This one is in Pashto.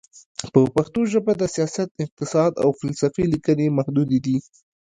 په پښتو ژبه د سیاست، اقتصاد، او فلسفې لیکنې محدودې دي.